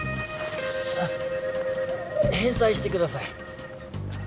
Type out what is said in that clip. あっ返済してください。